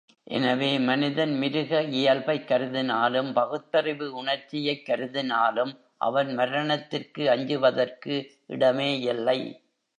எனவே, மனிதன் மிருக இயல்பைக் கருதினாலும், பகுத்தறிவு உணர்ச்சியைக் கருதினாலும், அவன் மரணத்திற்கு அஞ்சுவதற்கு இடமேயில்லை.